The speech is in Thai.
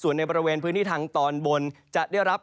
และเป็นพื้นที่ทางตอนบนจะได้รับ